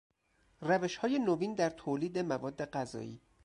روشهای نوین در تولید مواد غذایی